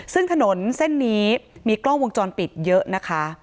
ซึ่งถนนเส้นนี้มีกล้องวงจรปิดเยอะนะคะ